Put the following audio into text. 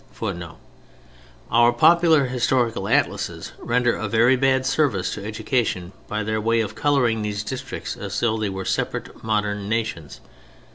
[Footnote: Our popular historical atlases render a very bad service to education by their way of coloring these districts as though they were separate modern nations.